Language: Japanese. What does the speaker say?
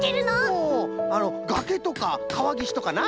おおがけとかかわぎしとかな。